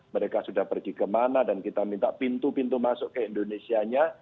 mereka sudah pergi kemana dan kita minta pintu pintu masuk ke indonesia nya